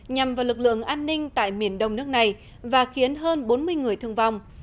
nhằm vào lực lượng an ninh tại miền đông nước này và khiến hơn bốn mươi người thương vong